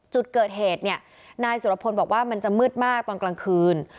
จุดเกิดเหตุเนี่ยนายสุรพลบอกว่ามันจะมืดมากตอนกลางคืน